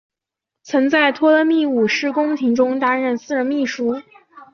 曾在托勒密五世宫廷中担任私人秘书。